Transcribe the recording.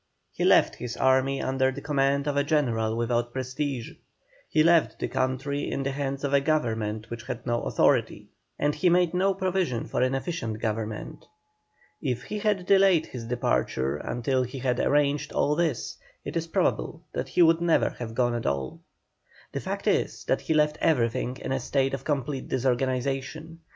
He left his army under the command of a General without prestige; he left the country in the hands of a Government which had no authority; and he made no provision for an efficient Government. If he had delayed his departure until he had arranged all this it is probable that he would never have gone at all. The fact is that he left everything in a state of complete disorganization.